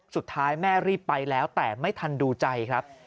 สุดท้ายแม่รีบไปแล้วแต่ไม่ทันดูใจครับ